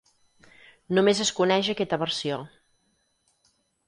Només es coneix aquesta versió.